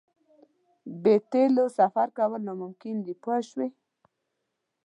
بې تیلو سفر کول ناممکن دي پوه شوې!.